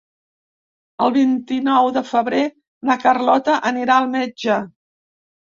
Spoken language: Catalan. El vint-i-nou de febrer na Carlota anirà al metge.